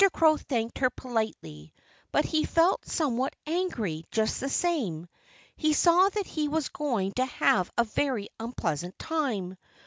Crow thanked her politely. But he felt somewhat angry, just the same. He saw that he was going to have a very unpleasant time.